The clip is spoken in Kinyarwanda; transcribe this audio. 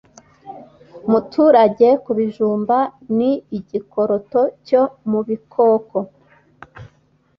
muturaga ku bijumba Ni igikoroto cyo mu bikoko